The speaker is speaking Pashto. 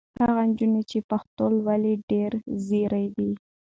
هغه نجلۍ چې پښتو لولي ډېره ځېره ده.